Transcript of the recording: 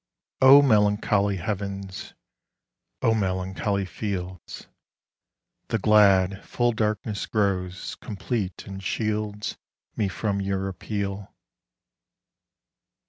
_ O melancholy heavens, O melancholy fields, The glad, full darkness grows complete and shields Me from your appeal.